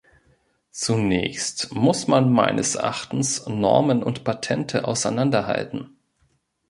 Zunächst muss man meines Erachtens Normen und Patente auseinanderhalten.